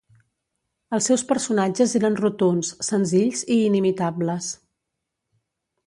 Els seus personatges eren rotunds, senzills i inimitables.